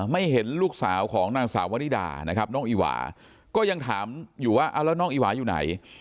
ไม่เห็นลูกสาวของนางสาววนิดาน้องอิหวาก็ยังถามอยู่ว่าน้องอิหวาอยู่ไหน